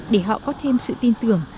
để họ có thêm sự tin tưởng